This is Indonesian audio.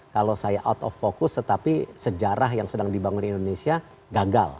kalau saya out of fokus tetapi sejarah yang sedang dibangun di indonesia gagal